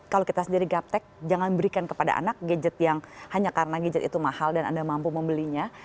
kalau kita sendiri gaptec jangan berikan kepada anak gadget yang hanya karena gadget itu mahal dan anda mampu membelinya